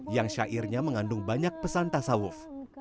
yang syairnya mengandung banyak pesan tasawuf